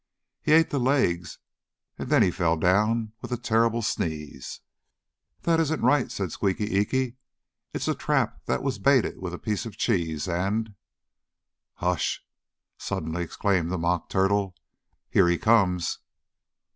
He ate the legs and then he fell Down with a terrible sneeze." "That isn't right," said Squeaky Eeky. "It's a trap that was baited with a piece of cheese, and " "Hush!" suddenly exclaimed the Mock Turtle. "Here he comes!"